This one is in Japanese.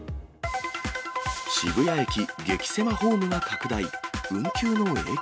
渋谷駅激せまホームが拡大。